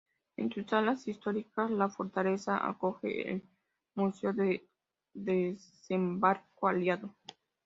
En sus salas históricas, la fortaleza acoge el Museo del desembarco aliado.